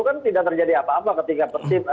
kan tidak terjadi apa apa ketika persib